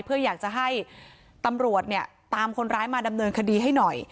เพื่ออยากจะให้ตำรวจเนี่ยตามคนร้ายมาดำเนินคดีให้หน่อย